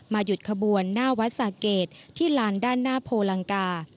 หยุดขบวนหน้าวัดสะเกดที่ลานด้านหน้าโพลังกา